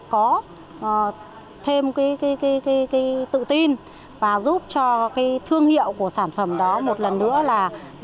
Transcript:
có thêm tự tin và giúp cho cái thương hiệu của sản phẩm đó một lần nữa là